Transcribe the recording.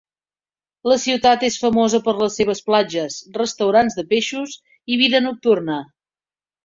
La ciutat és famosa per les seves platges, restaurants de peixos i vida nocturna.